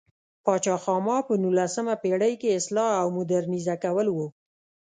پاچا خاما په نولسمه پېړۍ کې اصلاح او مودرنیزه کول و.